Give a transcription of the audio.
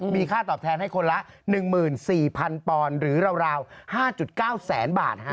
มีค่าตอบแทนให้คนละ๑๔๐๐๐ปอนด์หรือราว๕๙แสนบาท